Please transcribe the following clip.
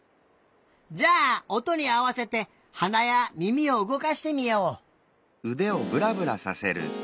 じゃあおとにあわせてはなやみみをうごかしてみよう。